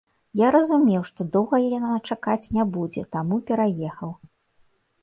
Я разумеў, што доўга яна чакаць не будзе, таму пераехаў.